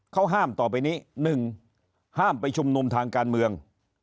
เขาห้ามต่อไปนี้๑ห้ามไปชุมนุมทางการเมือง